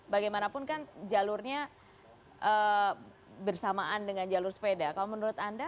bagaimanapun kan jalurnya bersamaan dengan jalur sepeda kalau menurut anda